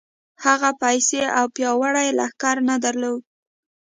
هغه پيسې او پياوړی لښکر نه درلود.